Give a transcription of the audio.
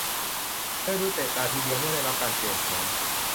เธอดูเตะตาทีเดียวเมื่อได้รับการเปลี่ยนโฉม